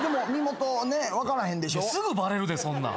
すぐバレるでそんなん。